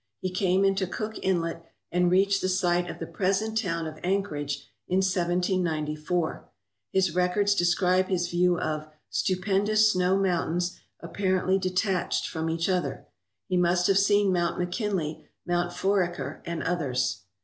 He came into Cook Inlet and reached the site of the present town of Anchor age in 1794. His records describe his view of "stupendous snow mountains apparently detached from each other/' He must have seen Mount McKinley, Mount Foraker, and others.